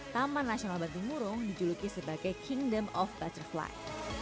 taman nasional bantimurung dijuluki sebagai kingdom of butterfly